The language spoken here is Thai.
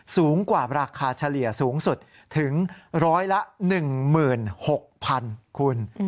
สูงกว่าราคาเฉลี่ยสูงสุดถึงร้อยละ๑๖๐๐๐คุณ